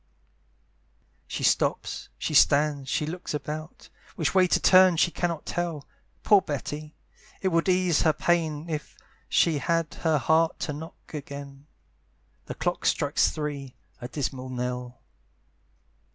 She stops, she stands, she looks about, Which way to turn she cannot tell. Poor Betty! it would ease her pain If she had heart to knock again; The clock strikes three a dismal knell!